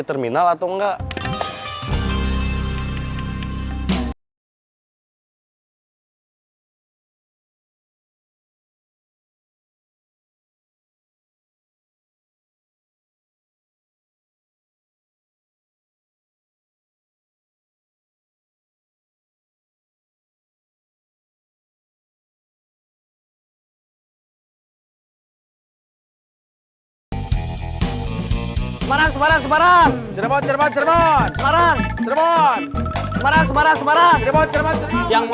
terima kasih tang